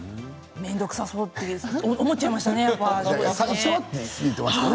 面倒くさそうと思ってしまいましたね。